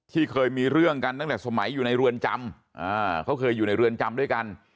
เคยมีเรื่องกันตั้งแต่สมัยอยู่ในเรือนจำเขาเคยอยู่ในเรือนจำด้วยกัน